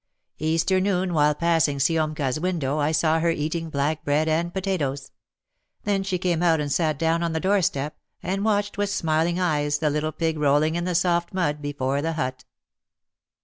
Easter noon while passing Siomka' s window I saw her eating black bread and potatoes. Then she came out and sat down on the door step, and watched with smiling eyes the little pig rolling in the soft mud before the hut.